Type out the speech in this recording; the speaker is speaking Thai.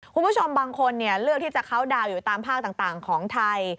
คุณผู้ชมบางคนเลือกที่จะเข้าดาวน์อยู่ตามภาคต่างของไทย